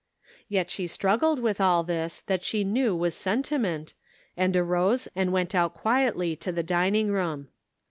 Yet she strug gled with all this that she knew was senti ment, and arose and went out quietly to the dining room.